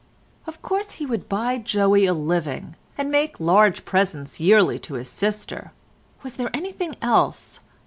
"Of course he would buy Joey a living, and make large presents yearly to his sister—was there anything else?